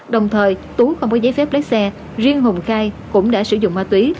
đồng thời tú không có giấy phép lấy xe riêng hùng khai cũng đã sử dụng ma túy